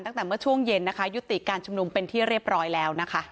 ตั้งแต่เมื่อช่วงเย็นนะคะยุติการชุมนุมเป็นที่เรียบร้อยแล้วนะคะ